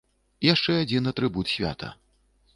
Яшчэ адзін атрыбут свята.